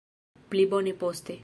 Pli bone poste